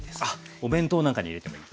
お弁当なんかに入れてもいい。